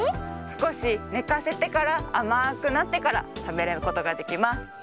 すこしねかせてからあまくなってからたべることができます。